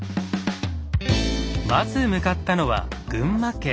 まず向かったのは群馬県。